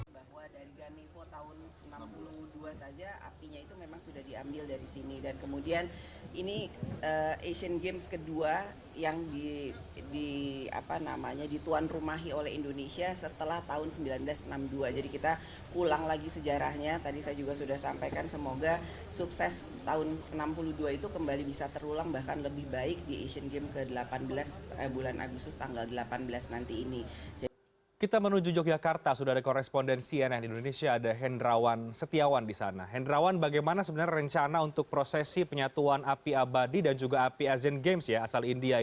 bahwa dari ganipo tahun seribu sembilan ratus enam puluh dua saja apinya itu memang sudah diambil dari sini